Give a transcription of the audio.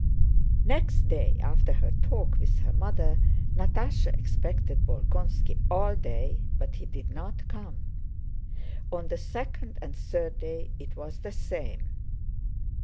Next day after her talk with her mother Natásha expected Bolkónski all day, but he did not come. On the second and third day it was the same.